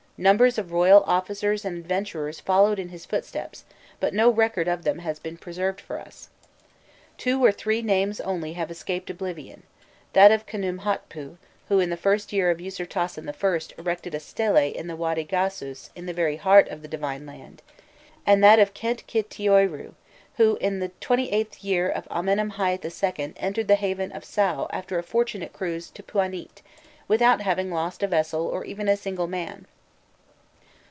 Numbers of royal officers and adventurers followed in his footsteps, but no record of them has been preserved for us. Two or three names only have escaped oblivion that of Khnûmhotpû, who in the first year of Ûsirtasen I. erected a stele in the Wady Gasûs in the very heart of the "Divine Land;" and that of Khentkhîtioîrû, who in the XXVIIIth year of Amenemhâît II. entered the haven of Saû after a fortunate cruise to Pûanît, without having lost a vessel or even a single man.